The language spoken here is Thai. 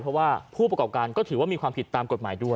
เพราะว่าผู้ประกอบการก็ถือว่ามีความผิดตามกฎหมายด้วย